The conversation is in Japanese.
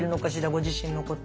ご自身のこと。